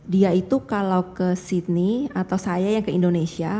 dia itu kalau ke sydney atau saya yang ke indonesia